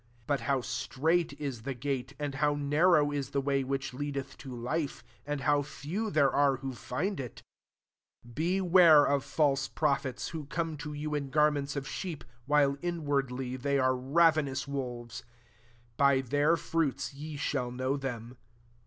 14 But how strait is the gate, and Aoit^ narrow is the way which leadeth to life; and how few there are who find it ! 15 <^ Beware of false prophetty who come to you in garments of sheep, while inwardly they are ravenous wolves. 16 By their fruits ye shall know them.